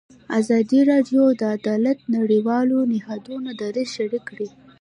ازادي راډیو د عدالت د نړیوالو نهادونو دریځ شریک کړی.